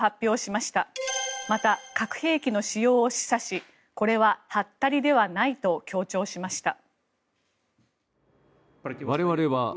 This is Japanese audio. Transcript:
また、核兵器の使用を示唆しこれははったりではないと強調しました。